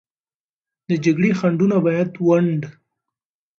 د جګړې خنډونه باید ونډ